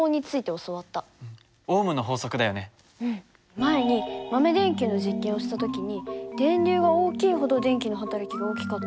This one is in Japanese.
前に豆電球の実験をした時に電流が大きいほど電気の働きが大きかったよね。